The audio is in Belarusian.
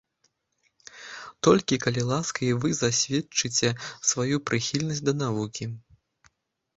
Толькі, калі ласка, і вы засведчыце сваю прыхільнасць да навукі.